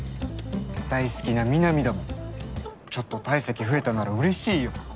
大好きなミナミだもんちょっと体積増えたならうれしいよ。